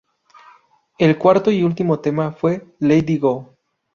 El cuarto y último tema fue Lady Go!.